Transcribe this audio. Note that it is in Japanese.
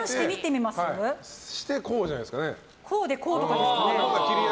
こうで、こうとかですかね。